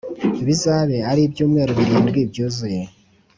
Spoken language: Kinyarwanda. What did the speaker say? Bizabe ari ibyumweru birindwi byuzuye